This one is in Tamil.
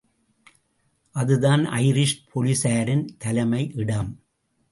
அதுதான் ஐரிஷ் போலிஸாரின் தலைமை இடம்.